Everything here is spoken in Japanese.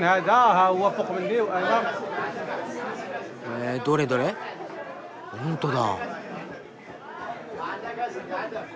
へぇどれどれほんとだ。